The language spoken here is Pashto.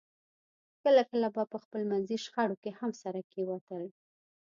کله کله به په خپلمنځي شخړو کې هم سره کېوتل